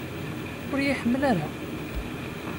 Ur iyi-iḥemmel ara?